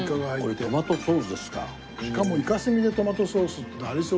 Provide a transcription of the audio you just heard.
しかもイカ墨でトマトソースってありそうでなかなかない。